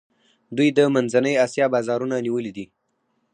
دوی د منځنۍ آسیا بازارونه نیولي دي.